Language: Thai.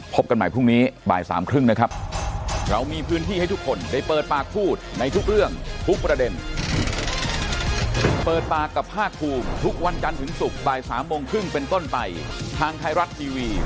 พบกันใหม่พรุ่งนี้บ่าย๓๓๐นะครับ